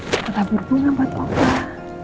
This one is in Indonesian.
kita tabur bunga buat obat